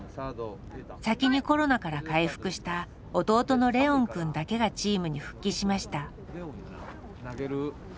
先にコロナから回復した弟のレオンくんだけがチームに復帰しました。